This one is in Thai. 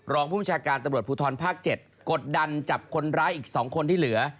รองผู้บัญชาการตำรวจภูทรภาค๗กดดันจับคนร้ายอีก๒คนที่เหลือ